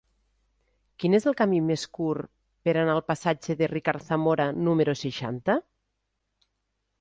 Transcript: Quin és el camí més curt per anar al passatge de Ricard Zamora número seixanta?